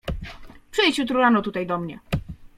"Przyjdź jutro rano tutaj do mnie."